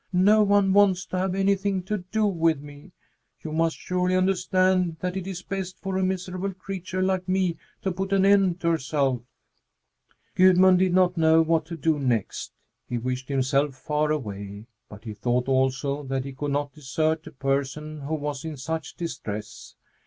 No one wants to have anything to do with me! You must surely understand that it is best for a miserable creature like me to put an end to herself." Gudmund did not know what to do next. He wished himself far away, but he thought, also, that he could not desert a person who was in such distress.